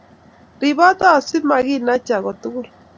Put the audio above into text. Ribota si maginacha ko tukul